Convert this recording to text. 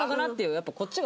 やっぱこっちが。